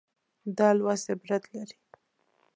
دا لوست عبرت لري.